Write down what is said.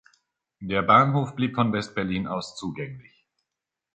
Der Bahnhof blieb von West-Berlin aus zugänglich.